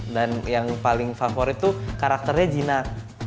dan yang paling favorit tuh karakternya jinak